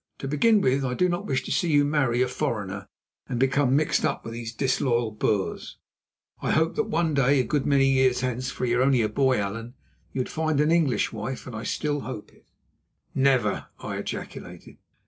To begin with, I do not wish to see you marry a foreigner and become mixed up with these disloyal Boers. I hoped that one day, a good many years hence, for you are only a boy, Allan, you would find an English wife, and I still hope it." "Never!" I ejaculated.